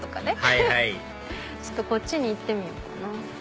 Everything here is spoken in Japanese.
はいはいこっちに行ってみようかな。